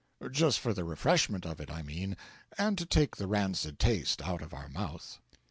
Just for the refreshment of it, I mean, and to take the rancid taste out of our mouth.